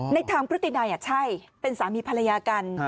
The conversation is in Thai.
ในทางพฤตินัยใช่เป็นสามีภรรยากัน